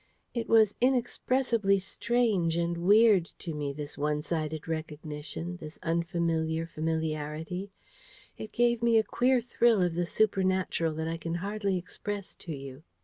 It was inexpressibly strange and weird to me, this one sided recognition, this unfamiliar familiarity: it gave me a queer thrill of the supernatural that I can hardly express to you.